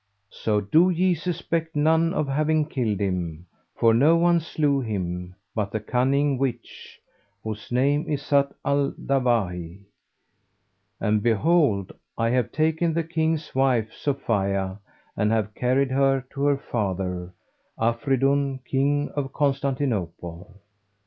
So do ye suspect none of having killed him, for no one slew him but the cunning witch, whose name is Zat al Dawahi. And behold, I have taken the King's wife, Sophia, and have carried her to her father, Afridun King of Constantinople.